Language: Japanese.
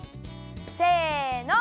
せの！